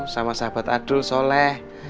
sama sahabat adul soleh